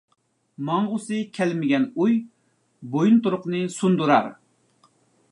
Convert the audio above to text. ماڭغۇسى كەلمىگەن ئۇي، بويۇنتۇرۇقنى سۇندۇرار.